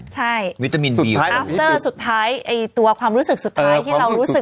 สุดท้ายอ่ะใช่สุดท้ายอีตัวความรู้สึกสุดท้ายที่เรารู้สึก